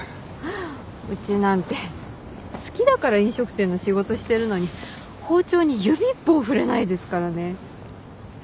うちなんて好きだから飲食店の仕事してるのに包丁に指一本触れないですからね。